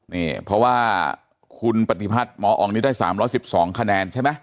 นี่เพราะว่าคุณปฏิพัฒน์หมออองนี้ได้๓๑๒คะแนนใช่ไหม